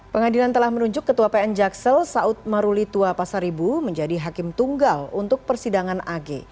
pengadilan telah menunjuk ketua pn jaksel saud maruli tua pasaribu menjadi hakim tunggal untuk persidangan ag